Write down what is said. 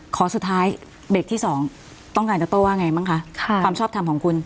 ขอสุดท้ายเบรกที่สองต้องการจะโต้ว่าไงบ้างคะความชอบทำของคุณ